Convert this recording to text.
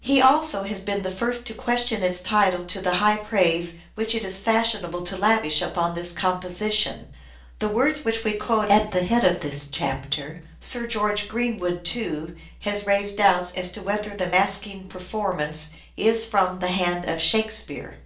He also has been the first to question 506 "SHAKESPEARE" IDENTIFIED its title to the high praise which it is fashionable to lavish upon this composition : the words which we quote at the head of this chapter. Sir George Greenwood too, has raised doubts as to whether the masking performance is from the hand of " Shake speare."